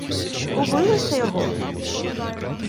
— Убили сте його?